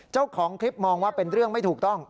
เจ้าของคลิปมองว่าเป็นเรื่องไม่ถูกต้อง